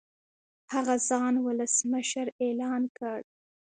هغه ځان ولسمشر اعلان کړ.